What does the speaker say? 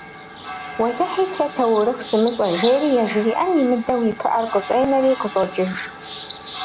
Уэлэхьи, сэ таурыхъ сымыщӏэ, - жери, яжриӏэн имыдэу, и пыӏэр къыщӏенэри къыщӏокӏыж.